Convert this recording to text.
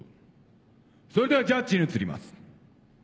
それではジャッジに移ります。